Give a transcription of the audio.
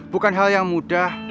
bukan hal yang mudah